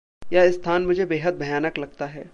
यह स्थान मुझे बेहद भयानक लगता है।